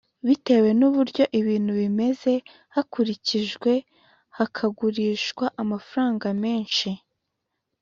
Bitewe n’uko ibintu bimeze hakurijwe hakagurishw amafaranga menshi